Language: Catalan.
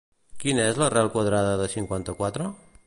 Quina és l'arrel quadrada de cinquanta-quatre?